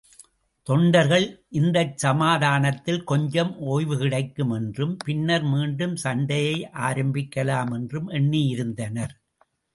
தொண்டர்கள் இந்தச்சமாதானத்தில் கொஞ்சம் ஓய்வுகிடைக்கும் என்றும், பின்னர் மீண்டும் சண்டையை ஆரம்பிக்கலாம் என்றும் எண்ணியிருந்தனர்.